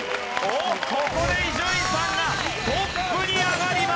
ここで伊集院さんがトップに上がります。